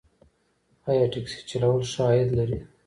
آیا ټکسي چلول ښه عاید لري؟